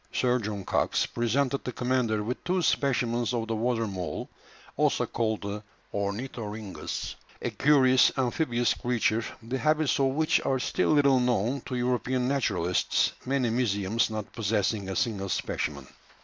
Sir John Cox presented the commander with two specimens of the water mole, also called the ornithorhynchus, a curious amphibious creature, the habits of which are still little known to European naturalists, many museums not possessing a single specimen.